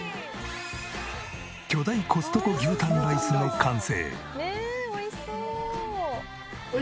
巨大コストコ牛タンライスの完成。